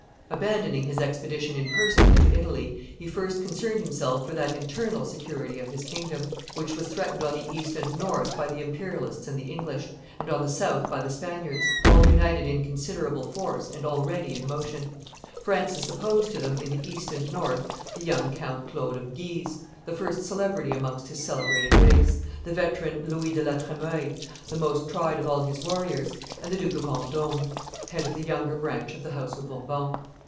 Abandoning his expedition in person into Italy, he first concerned himself for that internal security of his kingdom, which was threatened on the east and north by the Imperialists and the English, and on the south by the Spaniards, all united in considerable force and already in motion. Francis opposed to them in the east and north the young Count Claude of Guise, the first celebrity amongst his celebrated race, the veteran Louis de La Tremoille, the most tried of all his warriors, and the Duke of Vendome, head of the younger branch of the House of Bourbon.